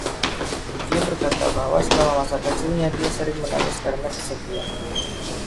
Dia berkata bahwa selama masa kecilnya dia sering menangis karena kesepian.